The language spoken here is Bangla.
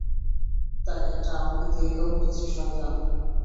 তাই, এটা আমাকে দিয়ে দাও, পিচ্চি শয়তান।